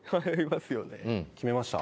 決めました？